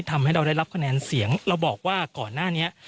ทำให้เราได้รับคะแนนเสียงเราบอกว่าก่อนหน้านี้